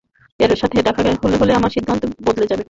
ওর সাথে দেখা হলে তোমার সিদ্ধান্ত বদলে যাবে।